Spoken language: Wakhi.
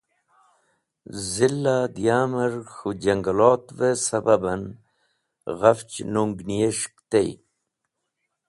Zila Diamer k̃hu Jangalatve sababen ghach nungniyes̃hk tey.